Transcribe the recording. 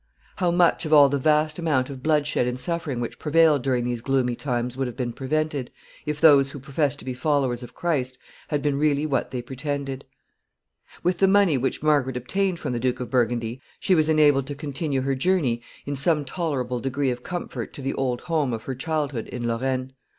How much of all the vast amount of bloodshed and suffering which prevailed during these gloomy times would have been prevented, if those who professed to be followers of Christ had been really what they pretended. [Sidenote: Margaret goes to Lorraine.] With the money which Margaret obtained from the Duke of Burgundy she was enabled to continue her journey in some tolerable degree of comfort to the old home of her childhood in Lorraine.